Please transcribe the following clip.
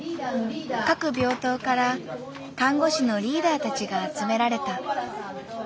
各病棟から看護師のリーダーたちが集められた。